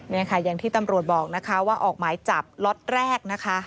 นี่ค่ะที่ทำรวจบอกนะคะออกไม้จับล๊อตแรกนะคะ